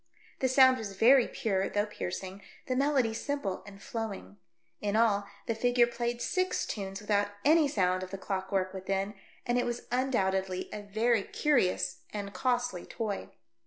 The sound was very pure though piercing, the melody simple and flowing. In all, the figure played six tunes without any sound of the clock work within, and it was undoubtedly a very curious and costly toy.